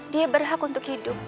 dia berhak untuk hidup